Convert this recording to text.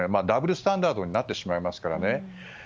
ダブルスタンダードになってしまいますからね。